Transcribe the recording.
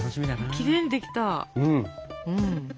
きれいにできた。